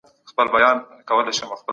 په نړۍ کي د مینې په نوم څه نسته.